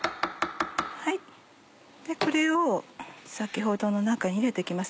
これを先ほどの中に入れて行きます。